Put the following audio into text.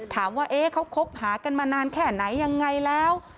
ถามว่าเขาคบหากันมานานแค่ไหนยังไงแล้ว